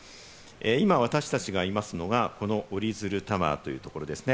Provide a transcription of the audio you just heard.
今、私達がいますのがこの、おりづるタワーというところですね。